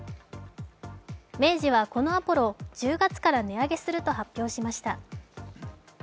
明治はこのアポロを、１０月から値上げすると発表しました。